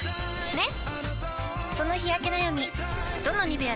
ねっ！